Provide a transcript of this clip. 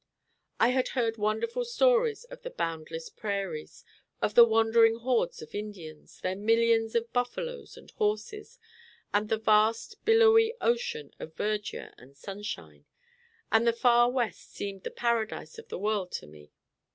I had heard wonderful stories of the boundless prairies, of the wandering hordes of Indians, their millions of buffaloes and horses, and the vast, billowy ocean of verdure and sunshine, and the Far West seemed the paradise of the world to me.